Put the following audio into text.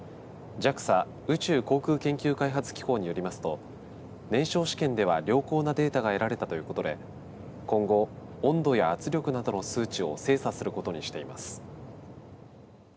ＪＡＸＡ、宇宙航空研究開発機構によりますと燃焼試験では良好なデータが得られたということで今後、温度や圧力などの数値を精査することにしています。